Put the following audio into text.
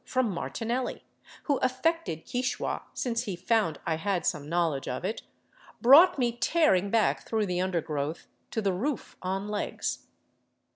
" from Martinelli, who affected Quichua since he found I had some knowledge of it, brought me tear ing back through the undergrowth to the roof on legs.